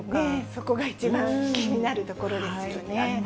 そこが一番気になるところですよね。